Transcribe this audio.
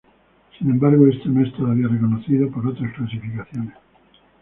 Sin embargo, esto no es todavía reconocido por otras clasificaciones.